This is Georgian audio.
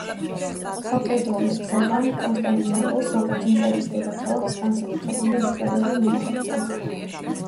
ქალკედონის კრებამ კონსტანტინოპოლს, როგორც იმპერიის დედაქალაქს, განსაკუთრებული უფლებები მიანიჭა.